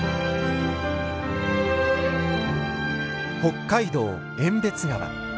北海道遠別川。